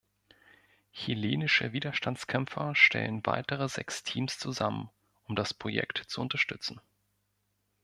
Chilenische Widerstandskämpfer stellen weitere sechs Teams zusammen, um das Projekt zu unterstützen.